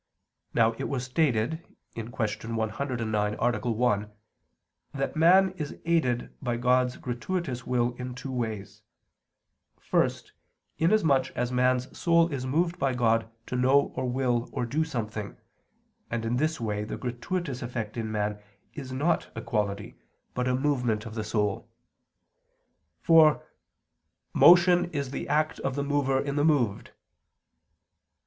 Now it was stated (Q. 109, A. 1) that man is aided by God's gratuitous will in two ways: first, inasmuch as man's soul is moved by God to know or will or do something, and in this way the gratuitous effect in man is not a quality, but a movement of the soul; for "motion is the act of the mover in the moved."